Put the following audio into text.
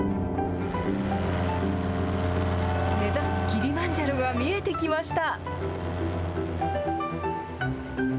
目指すキリマンジャロが見えてきました。